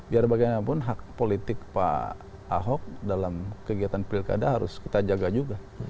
biar bagaimanapun hak politik pak ahok dalam kegiatan pilkada harus kita jaga juga